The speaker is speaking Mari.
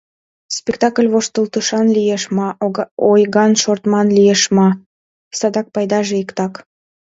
Спектакль воштылтышан лиеш ма, ойган-шортман лиеш ма, садак пайдаже иктак.